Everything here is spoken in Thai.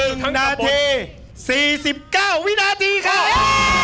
นาที๔๙วินาทีครับ